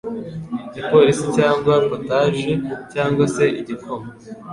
iporici cyangwa “potaje” cyangwa se igikoma